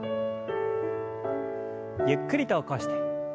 ゆっくりと起こして。